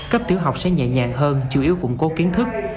cấp tiểu học sẽ nhẹ nhàng hơn chủ yếu củng cố kiến thức